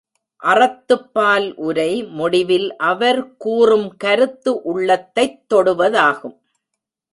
அறத்துப்பால் உரை முடிவில் அவர் கூறும் கருத்து உள்ளத்தைத் தொடுவதாகும்.